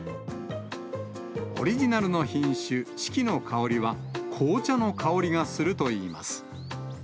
オリジナルの品種、四季の香は、紅茶の香りがするといいます。